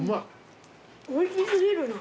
おいし過ぎるな。